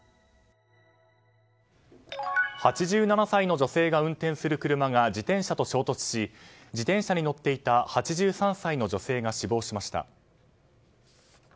８７歳の女性が運転する車が自転車と衝突し自転車に乗っていた８３歳の女性が死亡しました。